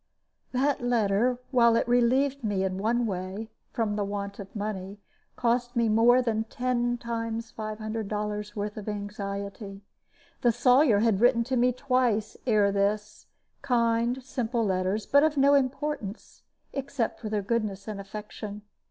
That letter, while it relieved me in one way, from the want of money, cost me more than ten times five hundred dollars' worth of anxiety. The Sawyer had written to me twice ere this kind, simple letters, but of no importance, except for their goodness and affection.